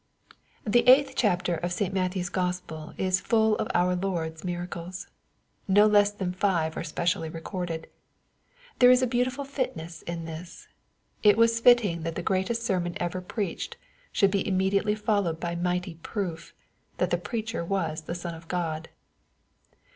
The eighth chapter of St. Matthew's Gospel is full of our Lord's miracles. No less than five are specially recorded. There is a beautiful fitness in this. It was fitting that the greatest sermon ever preached should be immediately followed by mighty proof, that the preacher was the Son of Grod.